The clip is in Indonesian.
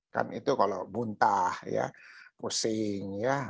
kan itu kalau muntah ya pusing ya